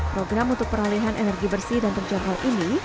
program untuk peralihan energi bersih dan terjangkau ini